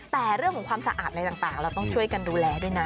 แต่เรื่องของความสะอาดอะไรต่างเราต้องช่วยกันดูแลด้วยนะ